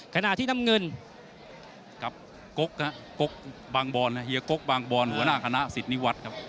ขณะที่น้ำเงินกับก๊กกบางบอนเฮียก๊กบางบอนหัวหน้าคณะสิทธิวัฒน์ครับ